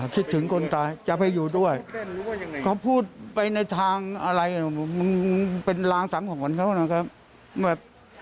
คิดถึงคนตายจะไปอยู่ด้วยเขาพูดไปในทางอะไรมึงเป็นรางสังหรณ์เขานะครับแบบ